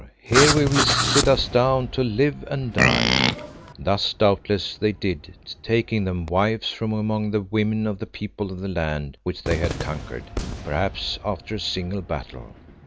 Here we will sit us down to live and die." Thus doubtless they did, taking them wives from among the women of the people of the land which they had conquered perhaps after a single battle.